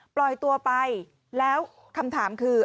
ปล่อยตัวไปแล้วคำถามคือ